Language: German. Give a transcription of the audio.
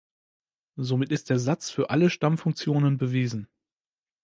Somit ist der Satz für alle Stammfunktionen bewiesen.